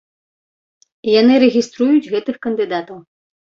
Яны рэгіструюць гэтых кандыдатаў.